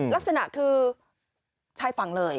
ลักษณะคือใช่ฟังเลย